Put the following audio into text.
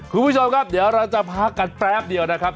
คุณผู้ชมครับเดี๋ยวเราจะพักกันแป๊บเดียวนะครับ